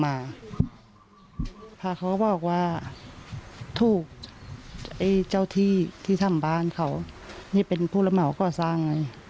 แม่มันเป็นพอสิน